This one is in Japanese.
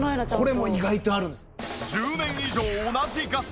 これも意外とあるんです。